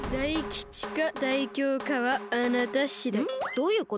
どういうこと？